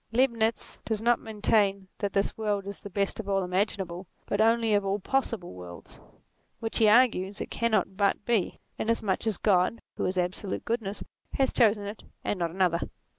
Leibnitz does not maintain that this world is the best of all imaginable, but only of all possible worlds ; which, he argues, it cannot but be, inasmuch as God, who is absolute goodness, has chosen it and not another.